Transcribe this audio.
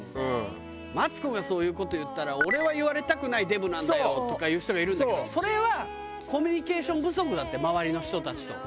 マツコがそういう事言ったら「俺は言われたくないデブなんだよ」とか言う人がいるんだけどそれはコミュニケーション不足だって周りの人たちと。